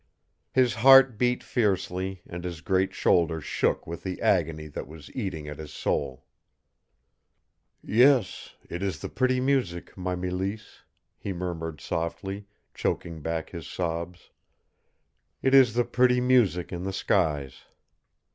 His heart beat fiercely, and his great shoulders shook with the agony that was eating at his soul. "Yes, it is the pretty music, my Mélisse," he murmured softly, choking back his sobs. "It is the pretty music in the skies."